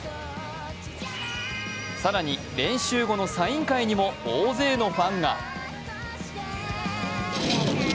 更に練習後のサイン会にも大勢のファンが。